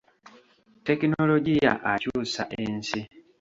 Tekinologiya akyusa ensi.